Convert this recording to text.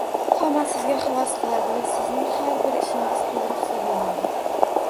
hamma sizga havas qiladi va sizning har bir ishingiz to’g’ri hisoblanadi